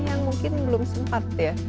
yang mungkin belum sempat ya